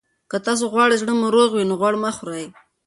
که تاسي غواړئ زړه مو روغ وي، نو غوړ مه خورئ.